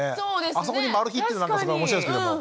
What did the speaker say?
あそこにマル秘っていうのが面白いですけども。